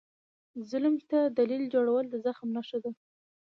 ظالم ته دلیل جوړول د زخم نښه ده.